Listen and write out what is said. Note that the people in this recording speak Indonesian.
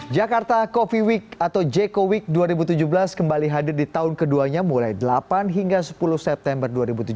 jakarta coffee week atau jco week dua ribu tujuh belas kembali hadir di tahun keduanya mulai delapan hingga sepuluh september dua ribu tujuh belas